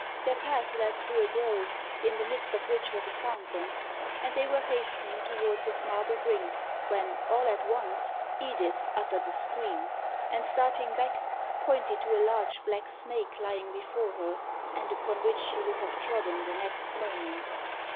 Their path led through a grove, in the midst of which was a fountain; and they were hastening towards its marble brink, when all at once Edith uttered a scream, and, starting back, pointed to a large black snake lying before her, and upon which she would have trodden the next moment.